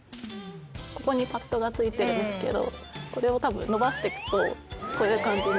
ここにパッドがついてるんですけどこれを多分伸ばして行くとこういう感じに。